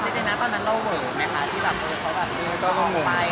เจน่าตอนนั้นเราเว่มั้ยคะที่แบบเขาออกไป